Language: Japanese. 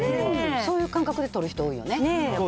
そういう感覚でとる人多いよね。